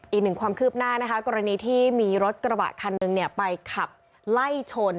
อีกหนึ่งความคืบหน้านะคะกรณีที่มีรถกระบะคันหนึ่งไปขับไล่ชน